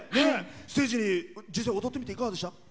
ステージ、実際、踊ってみていかがでした？